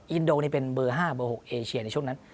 อินโดนี่เป็นเบอร์๕เบอร์๖เอเชียในช่วงนั้น